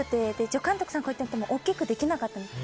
助監督さんがやっても大きくできなかったんです。